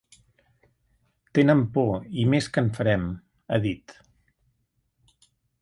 Tenen por i més que en farem, ha dit.